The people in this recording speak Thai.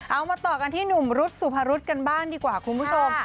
เอามาต่อกันที่หนุ่มรุษสุพรุษกันบ้างดีกว่าคุณผู้ชม